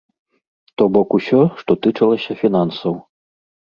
То бок усё, што тычылася фінансаў.